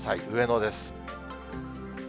上野です。